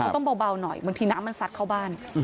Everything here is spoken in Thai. ต้องเบาหน่อยเหมือนที่น้ำมันสัดเข้าบ้าน